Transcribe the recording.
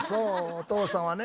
お父さんはね